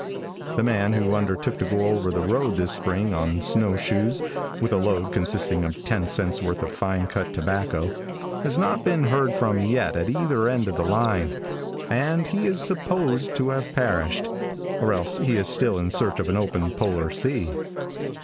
The man who undertook to go over the road this spring on snow shoes, with a load consisting of ten cents' worth of fine cut tobacco, has not been heard from yet at either end of the line, and he is supposed to have perished, or else he is still in search of an open polar sea.